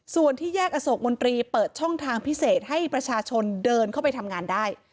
ส่วนที่แยกอโศกมนตรีเปิดช่องทางพิเศษให้ประชาชนเดินเข้าไปทำงานได้